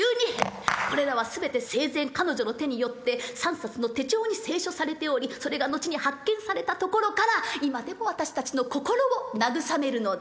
これらは全て生前彼女の手によって３冊の手帳に清書されておりそれが後に発見されたところから今でも私たちの心を慰めるのです。